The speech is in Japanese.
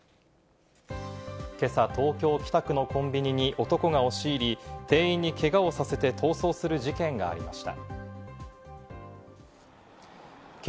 今朝、東京・北区のコンビニに男が押し入り、店員にけがをさせて逃走する事件がありました。